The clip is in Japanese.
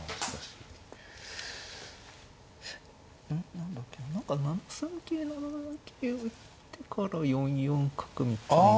何だっけな何か７三桂７七桂を打ってから４四角みたいな。